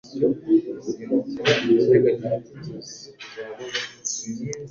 sinz impamvu dukwiye kugaragaza uko ubigaragaza